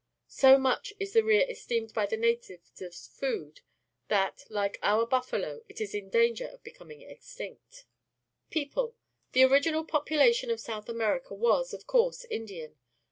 So much is the rhea esteemed by the natives as food that, Hke our buf falo, it is in danger of be Hrazii coniing extinct. People. — The original population of South .Ajiierica was, of course, I ndian